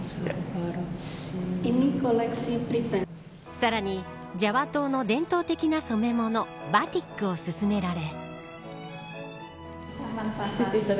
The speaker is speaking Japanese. さらにジャワ島の伝統的な染め物バティックを勧められ。